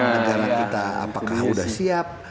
negara kita apakah sudah siap